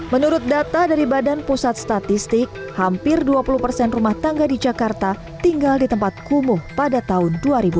menurut data dari badan pusat statistik hampir dua puluh persen rumah tangga di jakarta tinggal di tempat kumuh pada tahun dua ribu dua puluh